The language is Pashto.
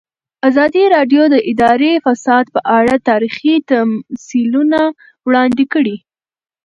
ازادي راډیو د اداري فساد په اړه تاریخي تمثیلونه وړاندې کړي.